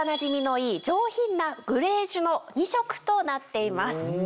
いい上品なグレージュの２色となっています。